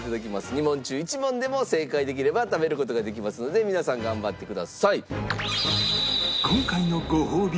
２問中１問でも正解できれば食べる事ができますので皆さん頑張ってください。